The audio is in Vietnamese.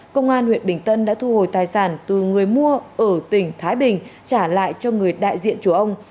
công an huyện bình tân đã thu hồi tài sản từ người mua ở tỉnh thái bình trả lại cho người đại diện chùa ông